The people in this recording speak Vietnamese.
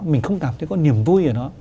mình không cảm thấy có niềm vui ở đó